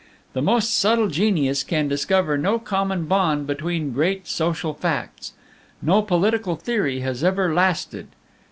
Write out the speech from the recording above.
"The most subtle genius can discover no common bond between great social facts. No political theory has ever lasted.